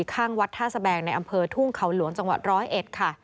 ข้างวัดท่าสแบงในอำเภอทุ่งเขาหลวงจังหวัดร้อยเอ็ดค่ะ